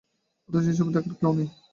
অথচ এসব যেন দেখার কেউ নেই।